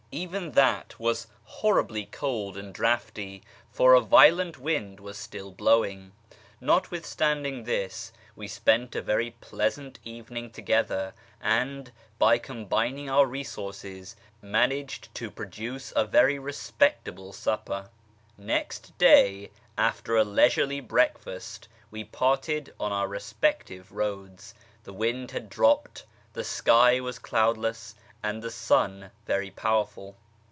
Even that was horribly cold and draughty, for a violent wind was still blowing. Notwithstanding this, we spent a very pleasant evening together, and, by combining our resources, managed to produce a very respectable supper. Next day, after a leisurely breakfast, we parted on our respective roads. The wind had dropped, the sky was cloud less, and the sun very powerful.